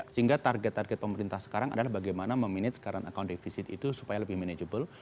sehingga target target pemerintah sekarang adalah bagaimana memanage current account deficit itu supaya lebih manageable